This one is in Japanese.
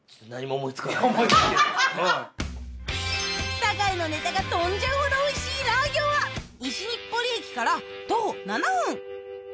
坂井のネタが飛んじゃうほどおいしいラー餃は西日暮里駅から徒歩７分！